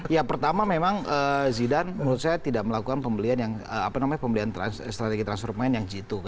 ya pertama memang zidan menurut saya tidak melakukan pembelian yang apa namanya pembelian strategi transfermen yang jitu